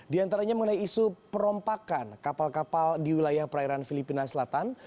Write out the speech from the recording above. di antaranya mengenai isu perompakan kapal kapal di wilayah perairan filipina selatan